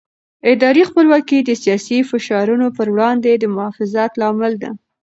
اداري خپلواکي د سیاسي فشارونو پر وړاندې د محافظت لامل ده